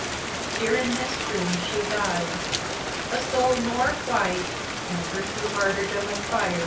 Here in this room she died; and soul moi% white Never through martyrdom of fire.